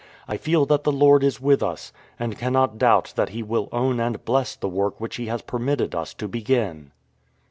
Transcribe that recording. I feel that the Lord is with us, and cannot doubt that He will own and bless the work which He has per mitted us to begin.